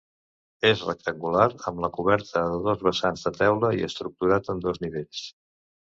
És rectangular, amb la coberta de dos vessants de teula i estructurat en dos nivells.